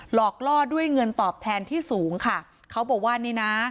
หลอกล่อด้วยเงินตอบแทนที่สูงค่ะเขาบอกว่านี่นะ